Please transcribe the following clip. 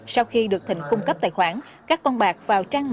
sau khi được thịnh cung cấp tài khoản các con bạc vào trang